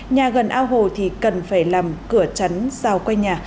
nhà gần ao hồ thì cần phải làm cửa chắn rào quanh nhà